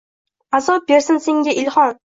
Azob bersin senga ilhom